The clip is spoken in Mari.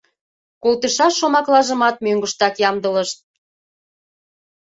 Колтышаш шомаклажымат мӧҥгыштак ямдылышт.